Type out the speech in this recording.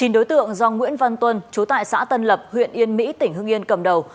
chín đối tượng do nguyễn văn tuân chú tại xã tân lập huyện yên mỹ tỉnh hưng yên cầm đầu